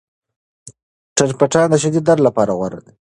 ټریپټان د شدید درد لپاره غوره دي.